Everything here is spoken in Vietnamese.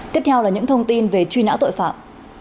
tiếp theo là những thông tin về truy nã tội phạm